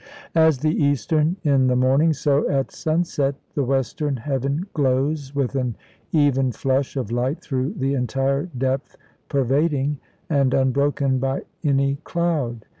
As the eastern in the morning, so at sunset the western heaven glows with an even flush of light through the entire depth pervading, and unbroken by any cloud.